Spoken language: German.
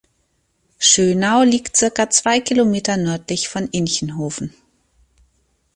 Schönau liegt circa zwei Kilometer nördlich von Inchenhofen.